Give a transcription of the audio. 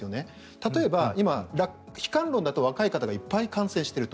例えば今、悲観論だと若い方がいっぱい感染していると。